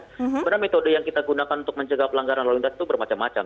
sebenarnya metode yang kita gunakan untuk mencegah pelanggaran lalu lintas itu bermacam macam